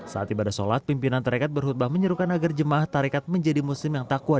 saat ibadah sholat pimpinan tarekat berkhutbah menyerukan agar jemaah tarekat menjadi muslim yang takwa